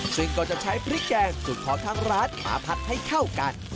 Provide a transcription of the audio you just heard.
ซึ่งก็จะใช้พริกแกงสูตรของทางร้านมาผัดให้เข้ากัน